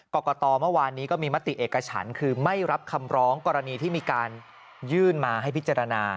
กรกตเมื่อวานนี้ก็มีมติเอกฉันคือไม่รับคำร้องกรณีที่มีการยื่นมาให้พิจารณา